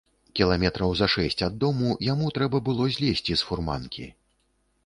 Кіламетраў за шэсць ад дому яму трэба было злезці з фурманкі.